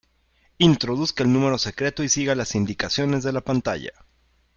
Introduzca el número secreto y siga las indicaciones de la pantalla.